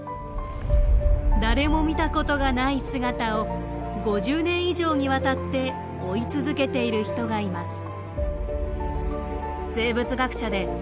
誰も見たことがない姿を５０年以上にわたって追い続けている人がいます。